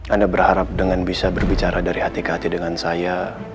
anda berharap dengan bisa berbicara dari hati ke hati dengan saya